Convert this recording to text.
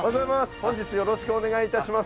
本日よろしくお願いいたします。